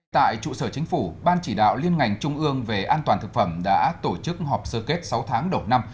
tại trụ sở chính phủ ban chỉ đạo liên ngành trung ương về an toàn thực phẩm đã tổ chức họp sơ kết sáu tháng đầu năm